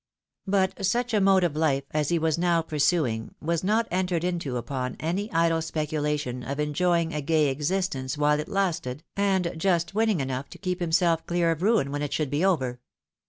But such a mode of life as he was now pursuing was not entered into upon any idle speculation of en joying a gay existence while it lasted, and just winning enough to keep himself clear of ruin when it should be over.